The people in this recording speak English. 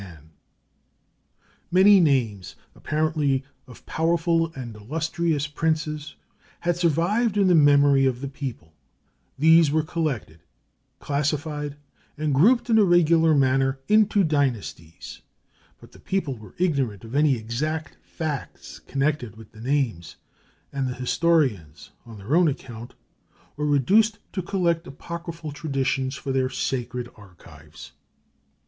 Many names, apparently of powerful and illustrious princes, had survived in the memory of the people; these were collected, classified, and grouped in a regular manner into dynasties, but the people were ignorant of any exact facts connected with the names, and the historians, on their own account, were reduced to collect apocryphal traditions for their sacred archives.